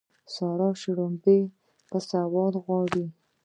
سارا شړومبې په سوال غواړي.